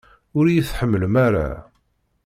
Ur iyi-tḥemmlem ara!